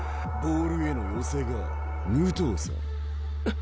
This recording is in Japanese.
ボールへの寄せが武藤さん。